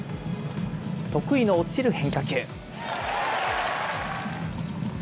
得意の落ちる変化球。